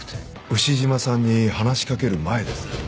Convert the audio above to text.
牛島さんに話しかける前です。